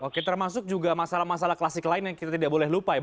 oke termasuk juga masalah masalah klasik lain yang kita tidak boleh lupa ya